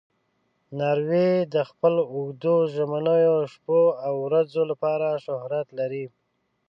ناروی د خپلو اوږدو ژمنیو شپو او ورځو لپاره شهرت لري.